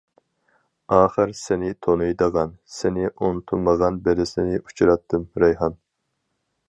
- ئاخىر سېنى تونۇيدىغان، سېنى ئۇنتۇمىغان بىرسىنى ئۇچراتتىم رەيھان.